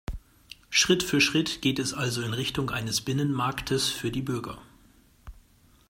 Schritt für Schritt geht es also in Richtung eines Binnenmarktes für die Bürger.